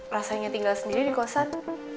rasanya tinggal sendiri di kosan